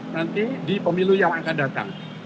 nanti di pemilu yang akan datang